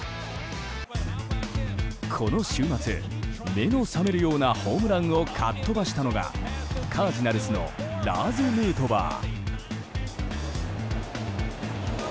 この週末、目の覚めるようなホームランをかっ飛ばしたのがカージナルスのラーズ・ヌートバー。